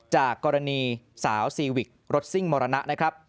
จากกรณีสาวซีวิกรถซิ่งมรณะนะครับ